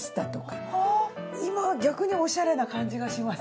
今逆にオシャレな感じがします。